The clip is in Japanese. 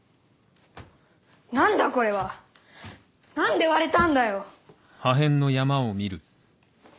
何だこれは！何で割れたんだよ！